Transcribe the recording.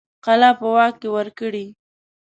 قلعه په واک کې ورکړي.